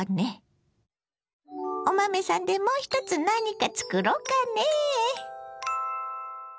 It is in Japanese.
お豆さんでもう一つ何か作ろうかねぇ。